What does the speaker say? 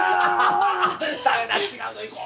ダメだ違うの行こう。